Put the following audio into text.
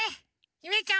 ゆめちゃん？